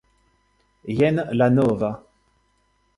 Jen la nova...